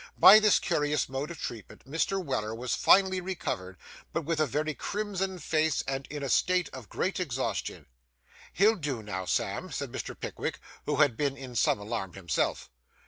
By this curious mode of treatment Mr. Weller was finally recovered, but with a very crimson face, and in a state of great exhaustion. 'He'll do now, Sam,' said Mr. Pickwick, who had been in some alarm himself.